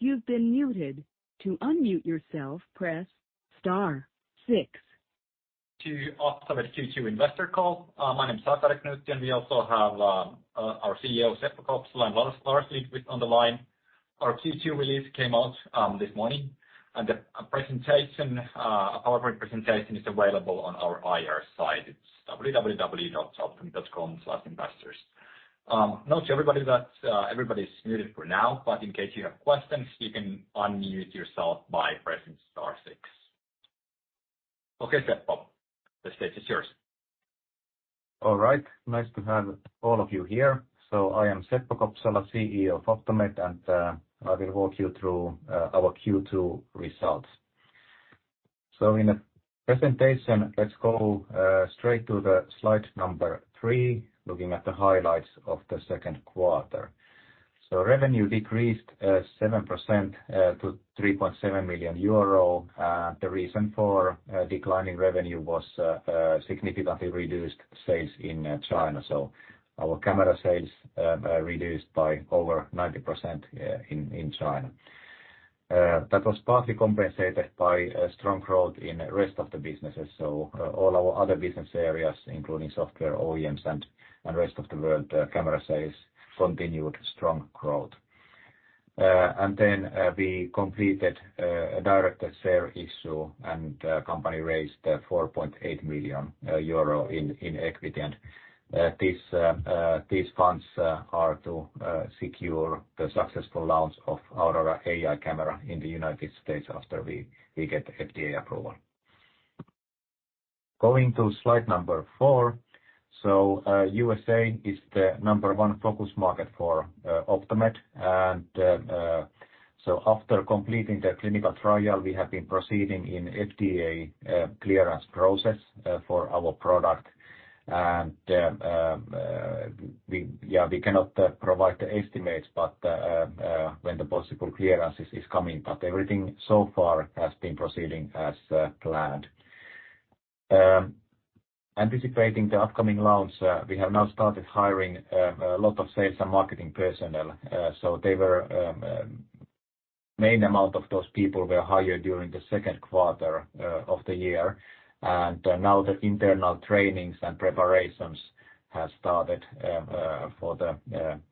To Optomed Q2 investor call. My name is Sakari Knuutti, and we also have our CEO, Seppo Kopsala, and Lars Lindqvist with on the line. Our Q2 release came out this morning. The presentation, our presentation is available on our IR site. It's www.optomed.com/investors. Note to everybody that everybody is muted for now, but in case you have questions, you can unmute yourself by pressing star six. Okay, Seppo. The stage is yours. All right. Nice to have all of you here. I am Seppo Kopsala, CEO of Optomed, and I will walk you through our Q2 results. In the presentation, let's go straight to the slide number 3, looking at the highlights of the second quarter. Revenue decreased 7% to 3.7 million euro. The reason for declining revenue was significantly reduced sales in China. Our camera sales reduced by over 90% in China. That was partly compensated by a strong growth in rest of the businesses. All our other business areas, including software, OEMs and rest of the world camera sales continued strong growth. We completed a directed share issue, and the company raised 4.8 million euro in equity. These funds are to secure the successful launch of our AEYE camera in the United States after we get the FDA approval. Going to slide number 4. U.S.A is the number one focus market for Optomed. After completing the clinical trial, we have been proceeding in FDA clearance process for our product. We cannot provide the estimates, but when the possible clearance is coming, but everything so far has been proceeding as planned. Anticipating the upcoming launch, we have now started hiring a lot of sales and marketing personnel. They were main amount of those people were hired during the second quarter of the year. Now the internal trainings and preparations have started for the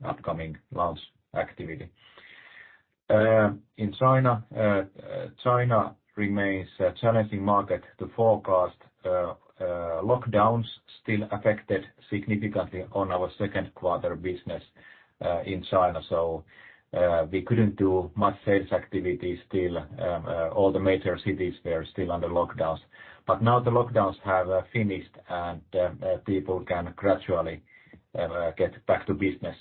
upcoming launch activity. In China remains a challenging market to forecast. Lockdowns still affected significantly on our second quarter business in China. We couldn't do much sales activity still. All the major cities, they're still under lockdowns. Now the lockdowns have finished, and people can gradually get back to business.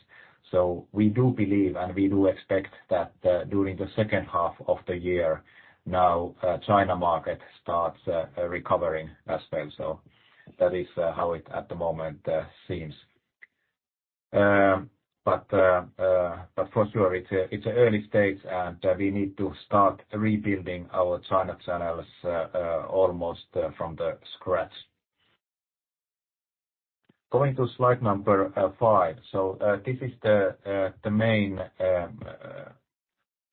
We do believe, and we do expect that during the second half of the year now China market starts recovering as well. That is how it at the moment seems. For sure, it's an early stage, and we need to start rebuilding our China channels, almost from scratch. Going to slide number 5. This is the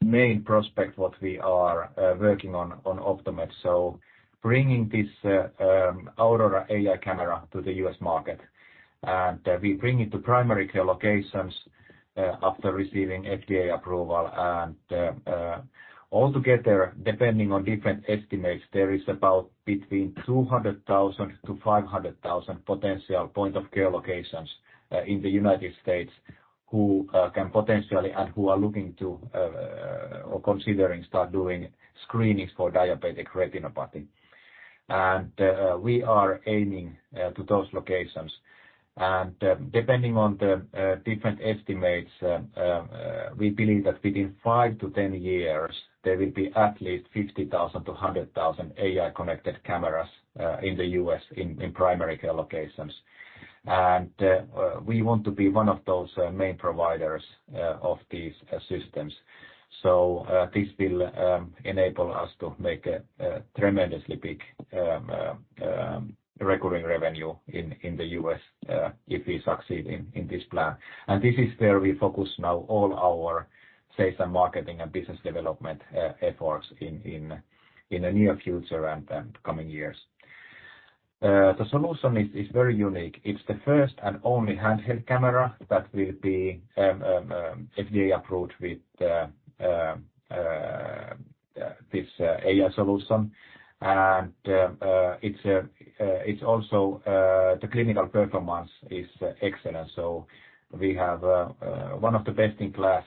main prospect what we are working on Optomed. Bringing this Aurora AEYE camera to the U.S. market, and we bring it to primary care locations after receiving FDA approval. Altogether, depending on different estimates, there is about between 200,000 to 500,000 potential point of care locations in the United States who can potentially and who are looking to or considering start doing screenings for diabetic retinopathy. We are aiming to those locations. Depending on the different estimates, we believe that within five to 10 years, there will be at least 50,000-100,000 AEYE-connected cameras in the U.S. in primary care locations. We want to be one of those main providers of these systems. This will enable us to make a tremendously big recurring revenue in the U.S. if we succeed in this plan. This is where we focus now all our sales and marketing and business development efforts in the near future and coming years. The solution is very unique. It's the first and only handheld camera that will be FDA approved with this AI solution. It's also the clinical performance is excellent. We have one of the best-in-class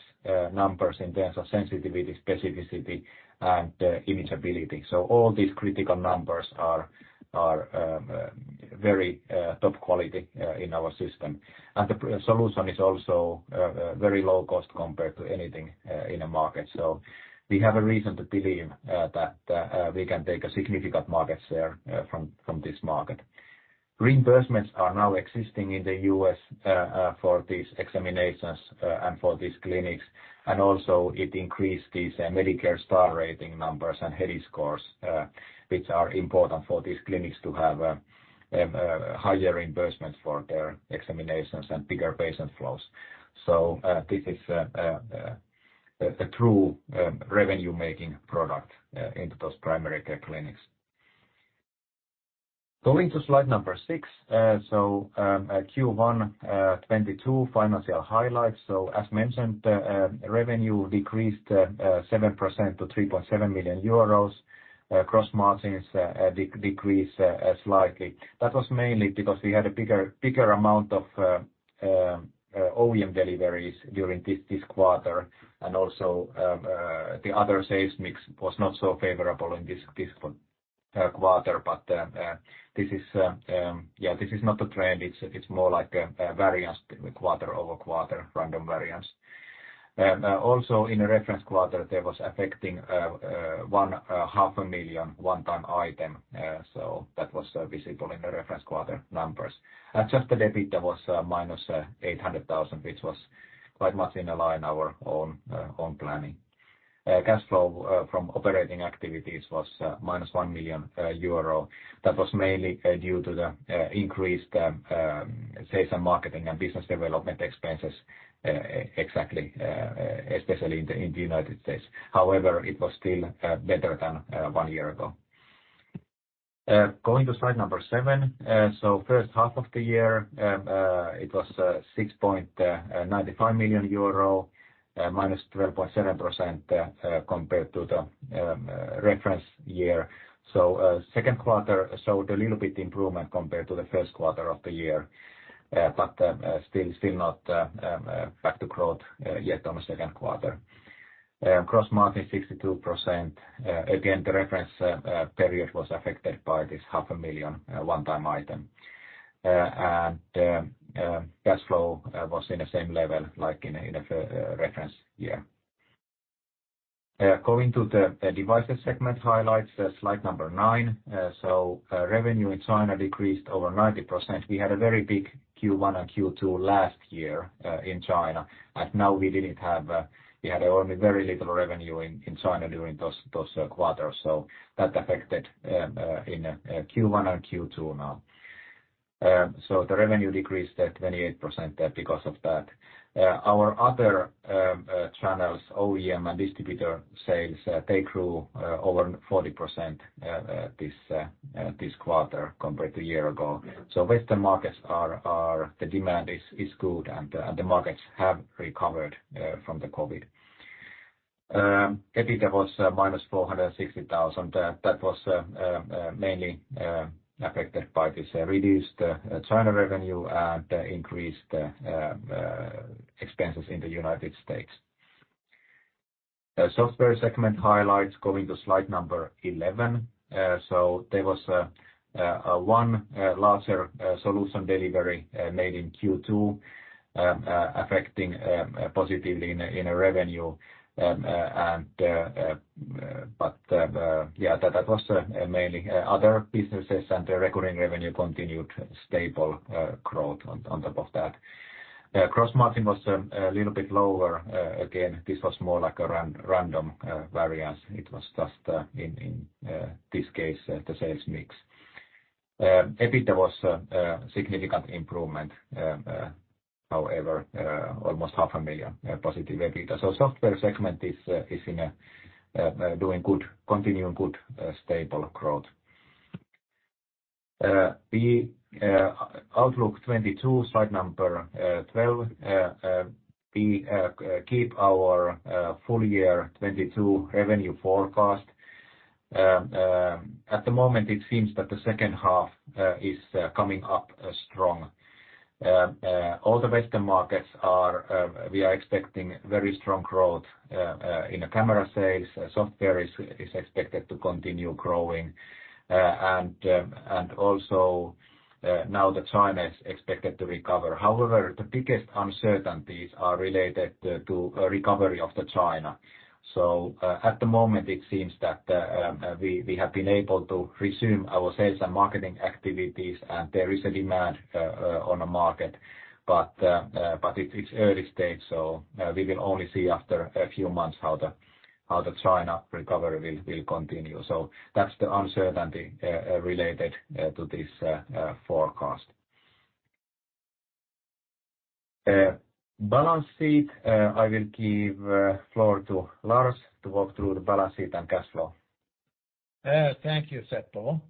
numbers in terms of sensitivity, specificity, and imageability. All these critical numbers are very top quality in our system. The solution is also very low cost compared to anything in the market. We have a reason to believe that we can take a significant market share from this market. Reimbursements are now existing in the U.S. for these examinations and for these clinics. It increased these Medicare Star Rating numbers and HEDIS scores, which are important for these clinics to have higher reimbursements for their examinations and bigger patient flows. This is a true revenue-making product into those primary care clinics. Going to slide number six. Q1 2022 financial highlights. As mentioned, revenue decreased 7% to EUR 3.7 million. Gross margins decreased slightly. That was mainly because we had a bigger amount of OEM deliveries during this quarter. The other sales mix was not so favorable in this quarter. This is not a trend. It's more like a variance quarter-over-quarter, random variance. Also, in a reference quarter, there was a half a million one-time item. That was visible in the reference quarter numbers. Adjusted EBITDA was minus 800,000 which was quite much in line with our own planning. Cash flow from operating activities was minus 1 million euro. That was mainly due to the increased sales and marketing and business development expenses, exactly, especially in the United States. However, it was still better than one year ago. Going to slide number 7. First half of the year, it was 6.95 million euro, minus 12.7%, compared to the reference year. Second quarter showed a little bit improvement compared to the first quarter of the year. Still not back to growth yet on the second quarter. Gross margin 62%. Again, the reference period was affected by this 0.5 million One-time item. Cash flow was in the same level like in a reference year. Going to the Devices segment highlights, slide number 9. Revenue in China decreased over 90%. We had a very big Q1 and Q2 last year in China, and now we didn't have, we had only very little revenue in China during those quarters. So that affected in Q1 and Q2 now. The revenue decreased by 28% because of that. Our other channels, OEM and distributor sales, they grew over 40% this quarter compared to a year ago. Western markets, the demand is good and the markets have recovered from the COVID. EBITDA was -460,000. That was mainly affected by this reduced China revenue and increased expenses in the United States. Software segment highlights, going to slide number 11. There was one larger solution delivery made in Q2, affecting positively in revenue. That was mainly other businesses and the recurring revenue continued stable growth on top of that. Gross margin was a little bit lower. Again, this was more like a random variance. It was just in this case the sales mix. EBITDA was significant improvement. However, almost half a million EUR positive EBITDA. Software segment is doing good, continuing good stable growth. Our outlook 2022, slide number 12. We keep our full year 2022 revenue forecast. At the moment, it seems that the second half is coming up strong. All the Western markets are expecting very strong growth in camera sales. Software is expected to continue growing, and also now that China is expected to recover. However, the biggest uncertainties are related to recovery of China. At the moment, it seems that we have been able to resume our sales and marketing activities, and there is a demand on the market. It's early stage, we will only see after a few months how the China recovery will continue. That's the uncertainty related to this forecast. Balance sheet, I will give floor to Lars to walk through the balance sheet and cash flow. Thank you, Seppo.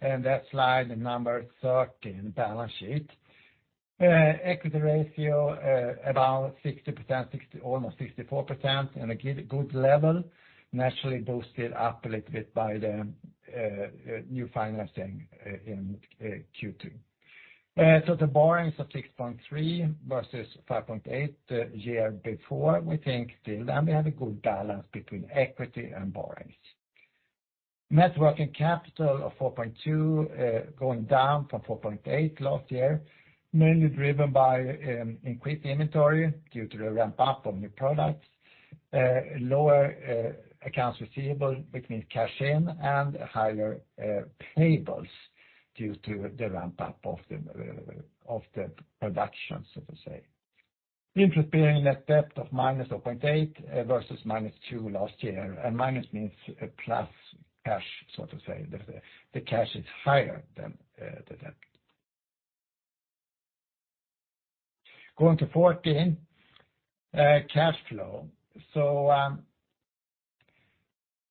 That slide number 13, balance sheet. Equity ratio about 60%, almost 64%, and a good level naturally boosted up a little bit by the new financing in Q2. The borrowings of 6.3 versus 5.8 the year before, we think still then we have a good balance between equity and borrowings. Net working capital of 4.2, going down from 4.8 last year, mainly driven by increased inventory due to the ramp-up of new products. Lower accounts receivable, better cash in, and higher payables due to the ramp-up of the production, so to say. Interest-bearing net debt of -0.8 versus -2 last year, and minus means plus cash, so to say. The cash is higher than the debt. Going to 14 cash flow. Cash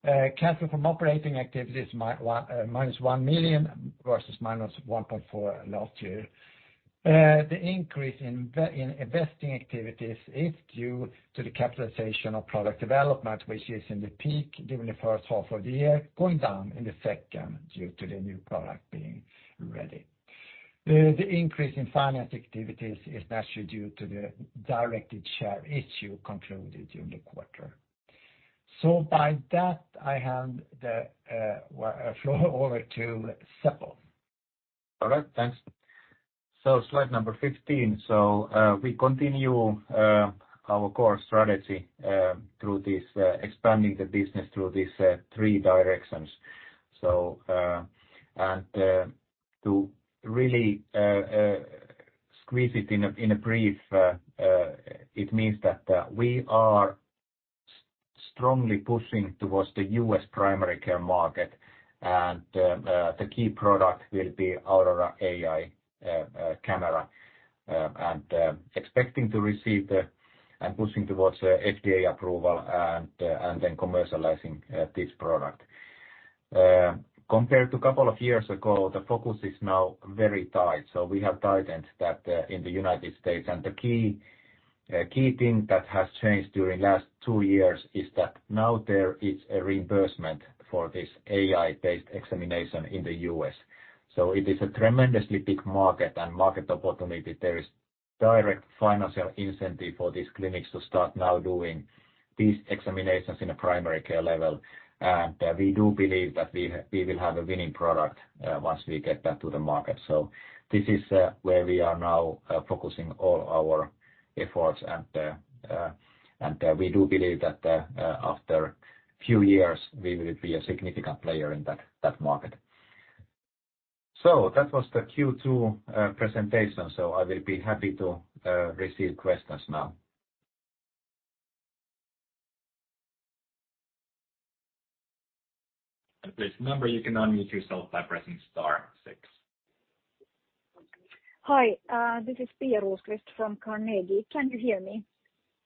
flow from operating activities -1 million versus -1.4 million last year. The increase in investing activities is due to the capitalization of product development, which is in the peak during the first half of the year, going down in the second due to the new product being ready. The increase in finance activities is naturally due to the directed share program concluded during the quarter. By that, I hand the floor over to Seppo. All right. Thanks. Slide number 15. We continue our core strategy through expanding the business through these three directions. To really squeeze it in a brief, it means that we are strongly pushing towards the U.S. primary care market and the key product will be Aurora AEYE camera. Expecting to receive and pushing towards FDA approval and then commercializing this product. Compared to couple of years ago, the focus is now very tight. We have tightened that in the United States. The key thing that has changed during last two years is that now there is a reimbursement for this AI-based examination in the U.S. It is a tremendously big market and market opportunity. There is direct financial incentive for these clinics to start now doing these examinations in a primary care level. We do believe that we will have a winning product once we get that to the market. This is where we are now focusing all our efforts. We do believe that after few years we will be a significant player in that market. That was the Q2 presentation. I will be happy to receive questions now. Please remember, you can unmute yourself by pressing star six. Hi, this is Pia Rosqvist from Carnegie. Can you hear me?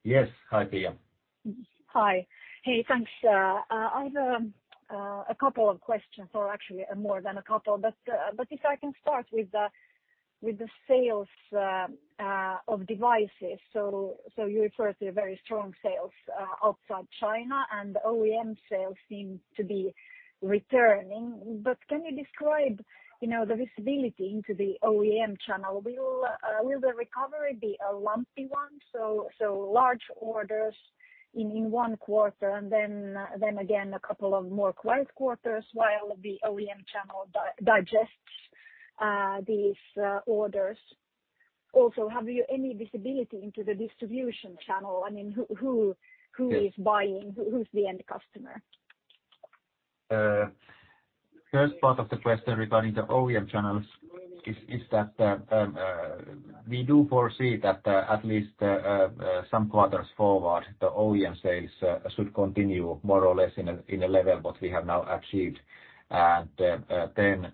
Yes. Hi, Pia. Hi. Hey, thanks. I've a couple of questions or actually more than a couple. If I can start with the sales of devices. You refer to a very strong sales outside China, and OEM sales seem to be returning. Can you describe, you know, the visibility into the OEM channel? Will the recovery be a lumpy one, so large orders in one quarter and then again a couple of more quiet quarters while the OEM channel digests these orders? Also, have you any visibility into the distribution channel? I mean, who Yes. Who is buying, who's the end customer? First part of the question regarding the OEM channels is that we do foresee that at least some quarters forward, the OEM sales should continue more or less in a level what we have now achieved. Then,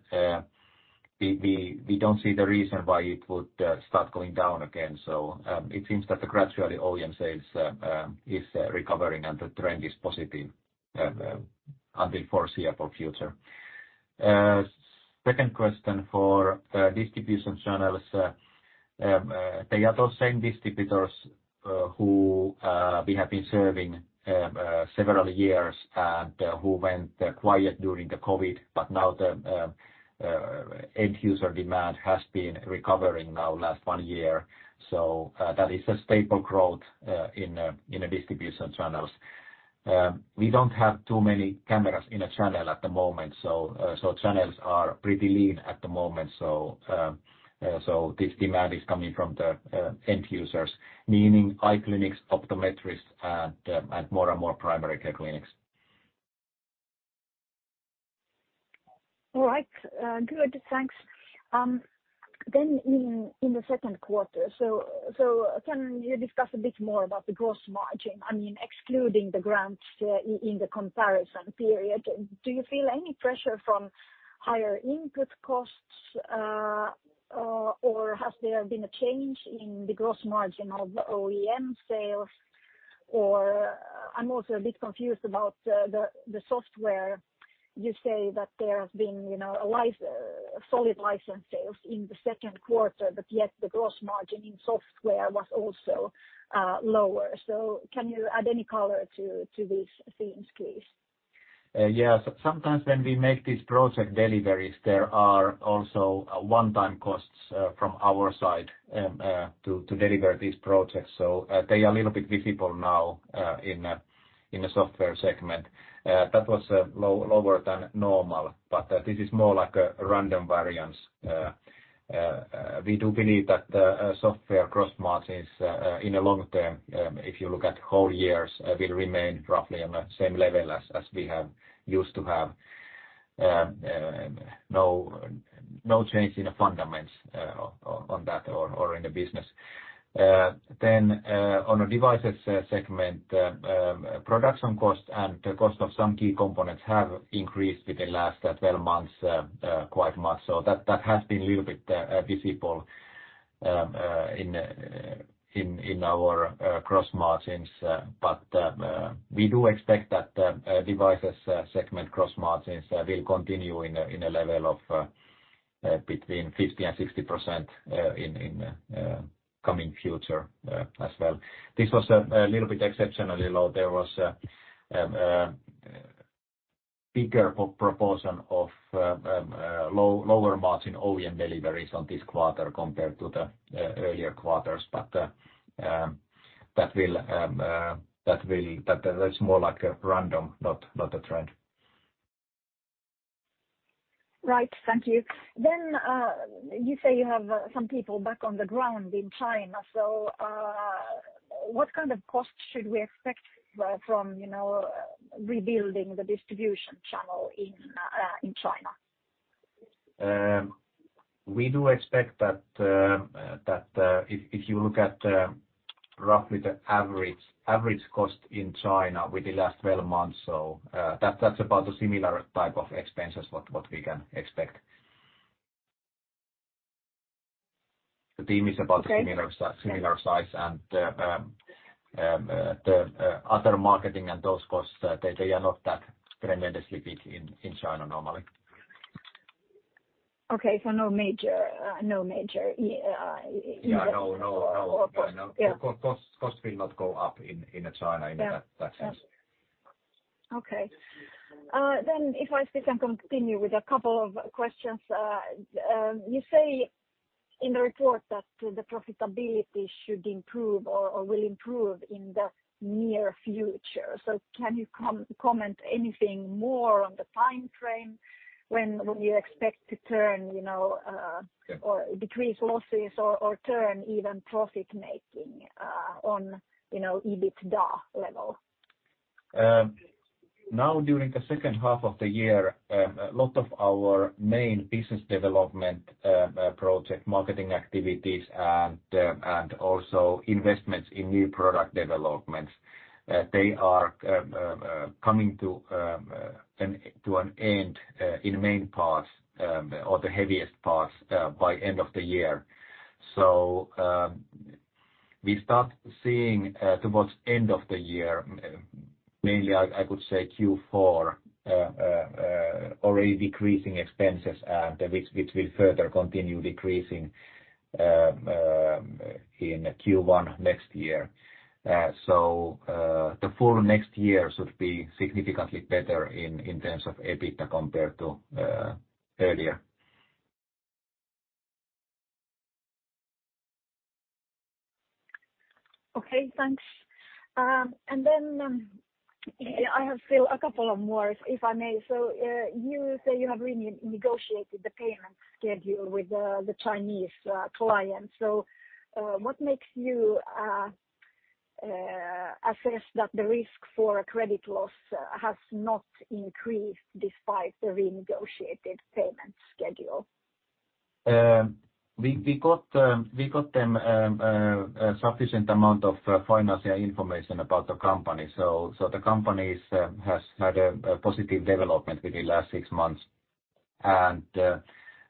we don't see the reason why it would start going down again. It seems that gradually OEM sales is recovering and the trend is positive until foreseeable future. Second question for distribution channels. They are those same distributors who we have been serving several years and who went quiet during the COVID, but now the end user demand has been recovering now last one year. That is a stable growth in the distribution channels. We don't have too many cameras in the channel at the moment, so channels are pretty lean at the moment. This demand is coming from the end users, meaning eye clinics, optometrists, and more and more primary care clinics. All right. Good. Thanks. In the second quarter, can you discuss a bit more about the gross margin? I mean, excluding the grants, in the comparison period, do you feel any pressure from higher input costs, or has there been a change in the gross margin of OEM sales? Or I'm also a bit confused about the software. You say that there has been, you know, a solid license sales in the second quarter, but yet the gross margin in software was also lower. Can you add any color to these themes, please? Sometimes when we make these project deliveries, there are also one-time costs from our side to deliver these projects. They are a little bit visible now in the software segment. That was lower than normal, but this is more like a random variance. We do believe that software gross margins in the long term, if you look at whole years, will remain roughly on the same level as we have used to have. No change in the fundamentals on that or in the business. On the devices segment, production cost and the cost of some key components have increased within last 12 months quite much. That has been a little bit visible in our gross margins. We do expect that devices segment gross margins will continue in a level of between 50% and 60% in coming future as well. This was a little bit exceptionally low. There was a bigger proportion of lower margin OEM deliveries in this quarter compared to the earlier quarters. That's more like a random, not a trend. Right. Thank you. You say you have some people back on the ground in China. What kind of costs should we expect from, you know, rebuilding the distribution channel in China? We do expect that if you look at roughly the average cost in China within last 12 months, so that's about a similar type of expenses what we can expect. The team is about- Okay. Similar size and the other marketing and those costs, they are not that tremendously big in China normally. Okay. No major Yeah. No, no. Yeah. Cost will not go up in China in that sense. Okay. If I still can continue with a couple of questions. You say in the report that the profitability should improve or will improve in the near future. Can you comment anything more on the time frame when you expect to turn, you know? Yeah. decrease losses or turn even profit-making, on, you know, EBITDA level? Now during the second half of the year, a lot of our main business development, project marketing activities and also investments in new product developments, they are coming to an end in main parts, or the heaviest parts, by end of the year. We start seeing towards end of the year, mainly I could say Q4, already decreasing expenses and which will further continue decreasing in Q1 next year. The full next year should be significantly better in terms of EBITDA compared to earlier. Okay, thanks. I have still a couple of more, if I may. You say you have renegotiated the payment schedule with the Chinese clients. What makes you assess that the risk for credit loss has not increased despite the renegotiated payment schedule? We got sufficient amount of financial information about the company. The company has had a positive development within the last six months.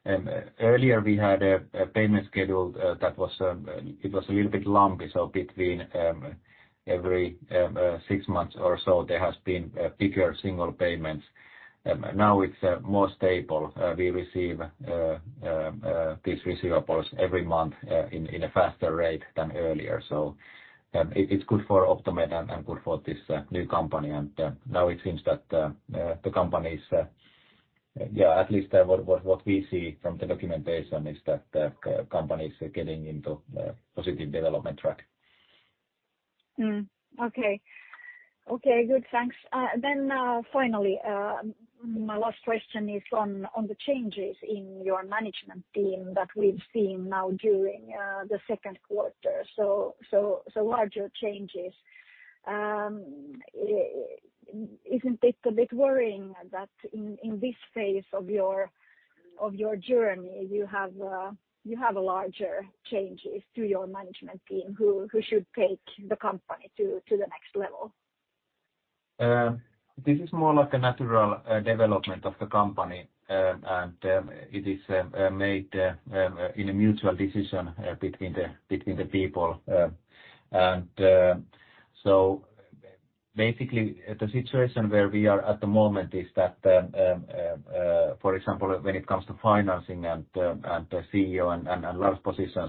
Earlier we had a payment schedule that was a little bit lumpy. Between every six months or so, there has been bigger single payments. Now it's more stable. We receive these receivables every month in a faster rate than earlier. It's good for Optomed and good for this new company. Now it seems that the company, at least what we see from the documentation, is that the company is getting into a positive development track. Okay, good. Thanks. Finally, my last question is on the changes in your management team that we've seen now during the second quarter. Larger changes. Isn't it a bit worrying that in this phase of your journey, you have larger changes to your management team who should take the company to the next level? This is more like a natural development of the company. It is made in a mutual decision between the people. Basically the situation where we are at the moment is that, for example, when it comes to financing and the CEO and Lars' position.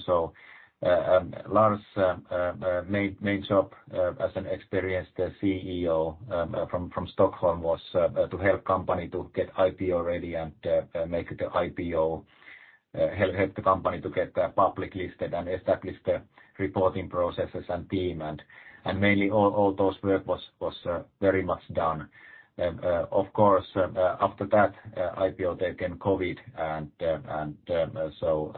Lars' main job, as an experienced CEO from Stockholm, was to help company to get IPO ready and make the IPO, help the company to get public listed and establish the reporting processes and team. Mainly all those work was very much done. Of course, after that IPO there came COVID and so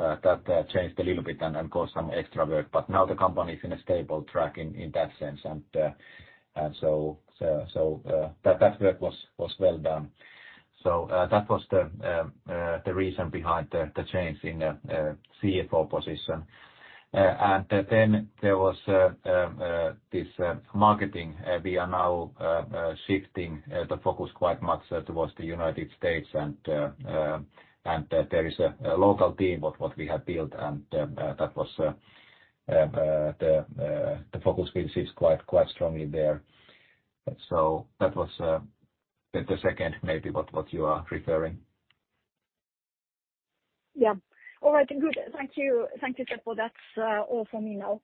that changed a little bit and caused some extra work. Now the company is in a stable track in that sense. That work was well done. That was the reason behind the change in the CFO position. There was this marketing. We are now shifting the focus quite much towards the United States and there is a local team that we have built, and the focus will shift quite strongly there. That was the second maybe what you are referring. Yeah. All right. Good. Thank you. Thank you, Seppo. That's all from me now.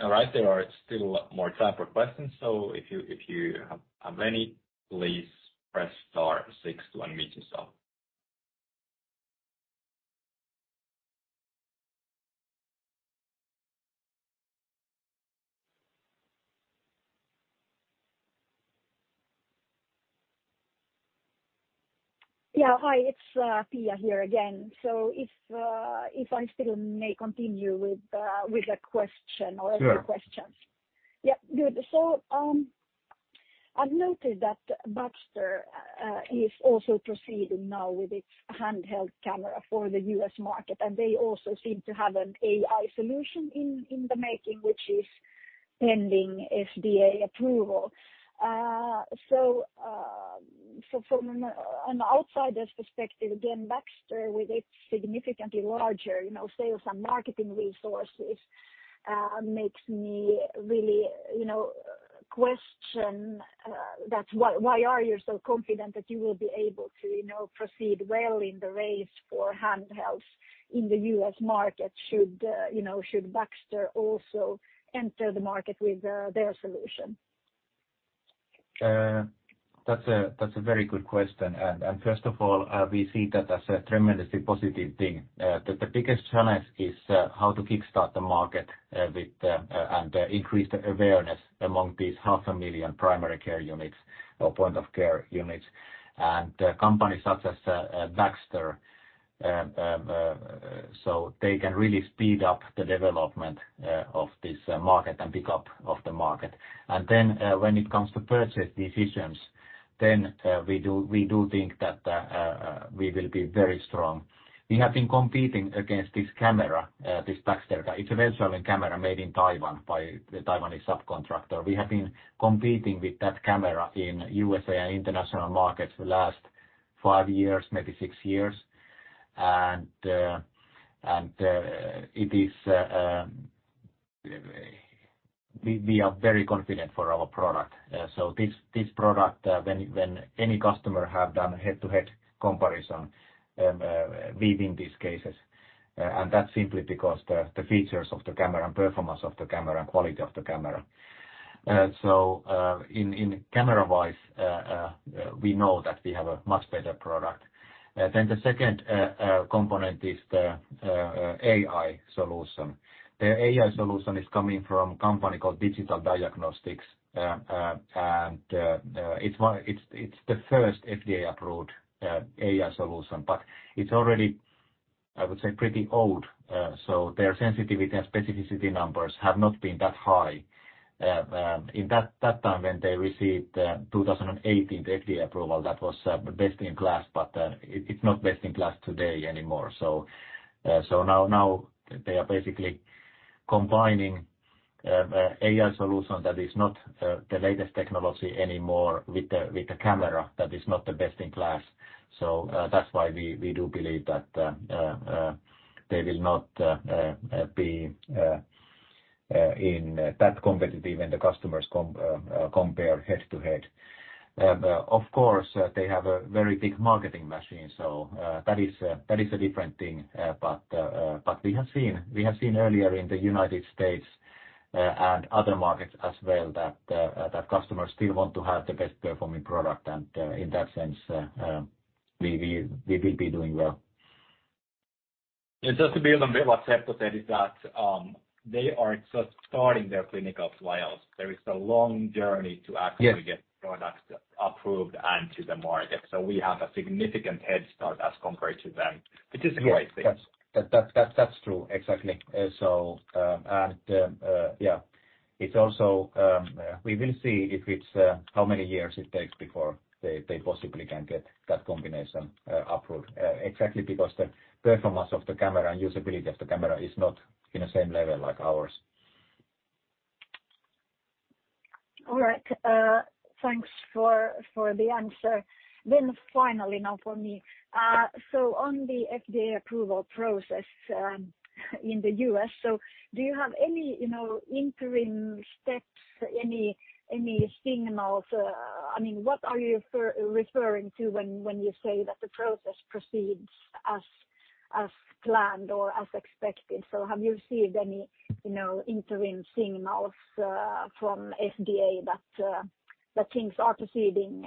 All right. There are still more time for questions, so if you have any, please press star six to unmute yourself. Yeah. Hi, it's Pia here again. If I still may continue with a question or- Sure. No other questions. Yeah. Good. I've noted that Baxter is also proceeding now with its handheld camera for the U.S. market, and they also seem to have an AI solution in the making, which is pending FDA approval. From an outsider's perspective, again, Baxter with its significantly larger, you know, sales and marketing resources makes me really, you know, question why you are so confident that you will be able to, you know, proceed well in the race for handhelds in the U.S. market should Baxter also enter the market with their solution? That's a very good question. First of all, we see that as a tremendously positive thing. The biggest challenge is how to kickstart the market and increase the awareness among these 500,000 primary care units or point of care units. Companies such as Baxter so they can really speed up the development of this market and pick up of the market. When it comes to purchase decisions, we do think that we will be very strong. We have been competing against this camera, this Baxter camera. It's a Volk camera made in Taiwan by the Taiwanese subcontractor. We have been competing with that camera in U.S.A and international markets for the last five years, maybe six years. We are very confident for our product. This product, when any customer have done head-to-head comparison, we win these cases, and that's simply because the features of the camera and performance of the camera and quality of the camera. In camera-wise, we know that we have a much better product. The second component is the AI solution. The AI solution is coming from company called Digital Diagnostics. It's the first FDA-approved AI solution, but it's already, I would say, pretty old. Their sensitivity and specificity numbers have not been that high. In that time when they received 2018 FDA approval that was best in class, but it's not best in class today anymore. Now they are basically combining AI solution that is not the latest technology anymore with the camera that is not the best in class. That's why we do believe that they will not be that competitive when the customers compare head-to-head. Of course, they have a very big marketing machine. That is a different thing. We have seen earlier in the United States and other markets as well that customers still want to have the best performing product. In that sense, we will be doing well. Just to build on a bit what Seppo said is that, they are just starting their clinical trials. There is a long journey to actually. Yes. get products approved and to the market. We have a significant head start as compared to them, which is a great thing. Yeah. That's true. Exactly. Yeah, it's also we will see if it's how many years it takes before they possibly can get that combination approved, exactly because the performance of the camera and usability of the camera is not, you know, same level like ours. All right. Thanks for the answer. Finally now for me. On the FDA approval process in the U.S., do you have any, you know, interim steps, any signals? I mean, what are you referring to when you say that the process proceeds as planned or as expected? Have you received any, you know, interim signals from FDA that things are proceeding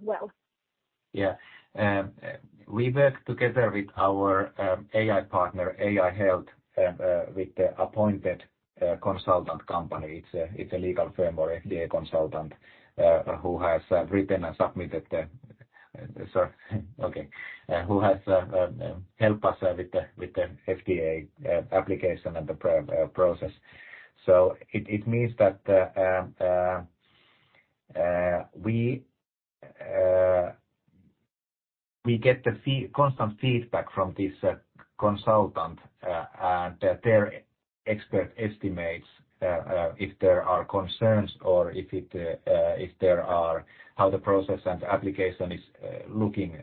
well? We work together with our AEYE partner, AEYE Health, with the appointed consultant company. It's a legal firm or FDA consultant who has helped us with the FDA application and the process. It means that we get the constant feedback from this consultant and their expert estimates if there are concerns or how the process and the application is looking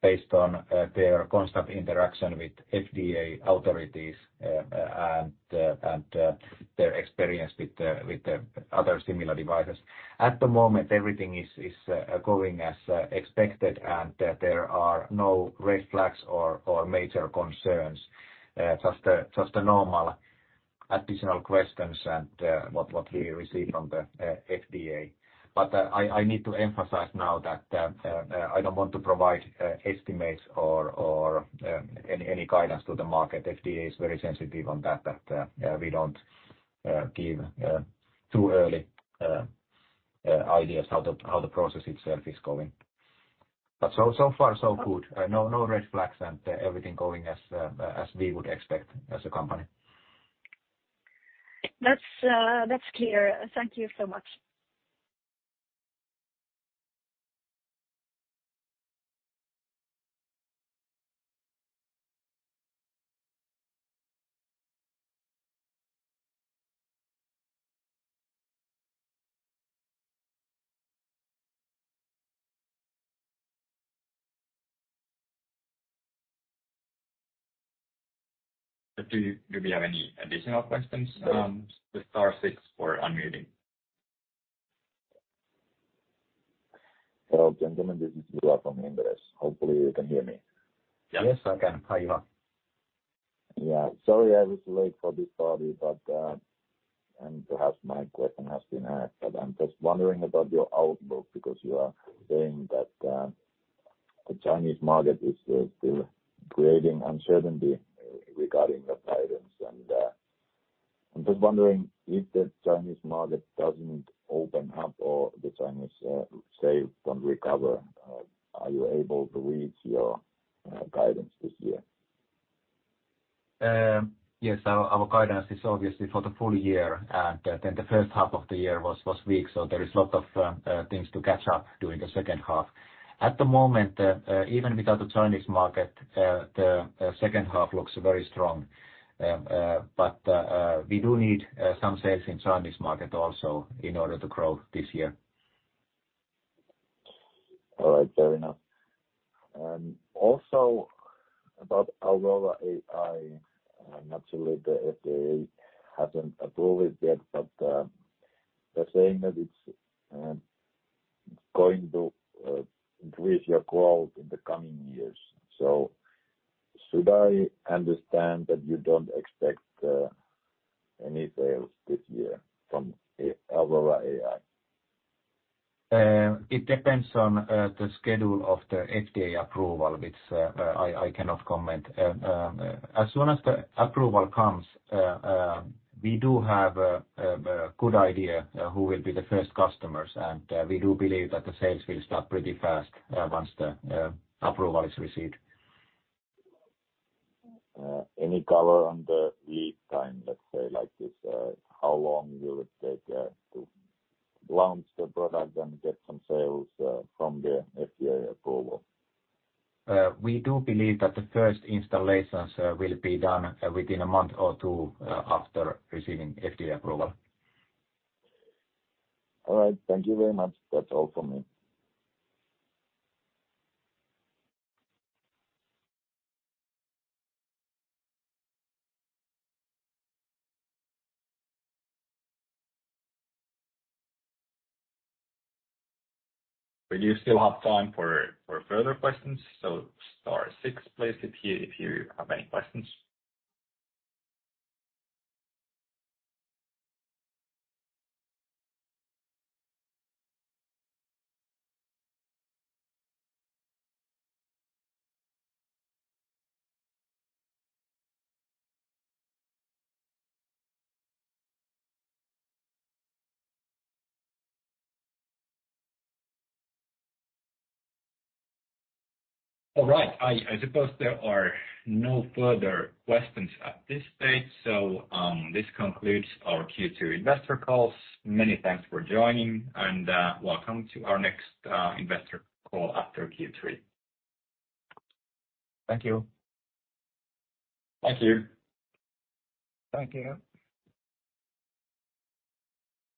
based on their constant interaction with FDA authorities and their experience with the other similar devices. At the moment, everything is going as expected, and there are no red flags or major concerns. Just a normal additional questions and what we receive from the FDA. I need to emphasize now that I don't want to provide estimates or any guidance to the market. FDA is very sensitive on that. We don't give too early ideas how the process itself is going. So far so good. No red flags and everything going as we would expect as a company. That's clear. Thank you so much. Do we have any additional questions? Star six for unmuting. Hello, gentlemen, this is Juha from Inderes. Hopefully, you can hear me. Yes, I can. Hi, Juha. Yeah. Sorry, I was late for this party, but perhaps my question has been asked, but I'm just wondering about your outlook because you are saying that the Chinese market is still creating uncertainty regarding the guidance. I'm just wondering if the Chinese market doesn't open up or the Chinese say don't recover, are you able to reach your guidance this year? Yes. Our guidance is obviously for the full year, and then the first half of the year was weak, so there is a lot of things to catch up during the second half. At the moment, even without the Chinese market, the second half looks very strong. We do need some sales in Chinese market also in order to grow this year. All right. Fair enough. Also about Aurora AEYE, naturally, the FDA hasn't approved it yet, but they're saying that it's going to increase your growth in the coming years. Should I understand that you don't expect any sales this year from Aurora AEYE? It depends on the schedule of the FDA approval, which I cannot comment. As soon as the approval comes, we do have a good idea who will be the first customers, and we do believe that the sales will start pretty fast once the approval is received. Any color on the lead time, let's say, like this, how long it will take to launch the product and get some sales from the FDA approval? We do believe that the first installations will be done within a month or two after receiving FDA approval. All right. Thank you very much. That's all for me. We do still have time for further questions, so star six please if you have any questions. All right. I suppose there are no further questions at this stage, so this concludes our Q2 investor calls. Many thanks for joining and welcome to our next investor call after Q3. Thank you. Thank you. Thank you.